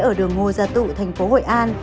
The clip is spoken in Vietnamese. ở đường ngô gia tụ thành phố hội an